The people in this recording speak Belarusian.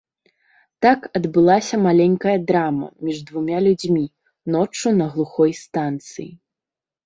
Так адбылася маленькая драма між двума людзьмі, ноччу на глухой станцыі.